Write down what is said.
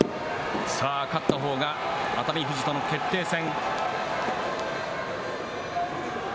さあ勝ったほうが、熱海富士との決定戦。